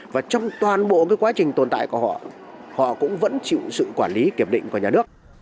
và trong toàn bộ cái quá trình tồn tại của họ họ cũng vẫn chịu sự quản lý kiểm định của nhà nước